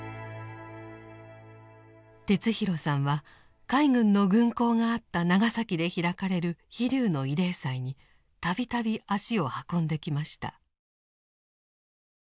哲弘さんは海軍の軍港があった長崎で開かれる「飛龍」の慰霊祭に度々足を運んできました。